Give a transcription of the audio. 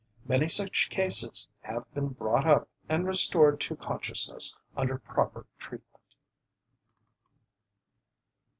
Many such cases have been brought up and restored to consciousness, under proper treatment.